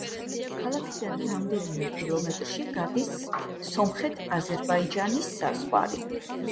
ქალაქიდან რამდენიმე კილომეტრში გადის სომხეთ–აზერბაიჯანის საზღვარი.